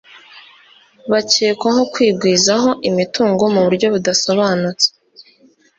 bakekwaho kwigwizaho imitungo mu buryo budasobanutse